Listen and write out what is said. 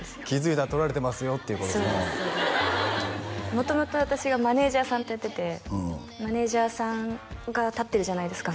元々私がマネージャーさんとやっててマネージャーさんが立ってるじゃないですか